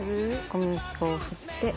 小麦粉を振って。